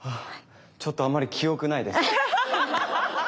ちょっとあんまり記憶ないです。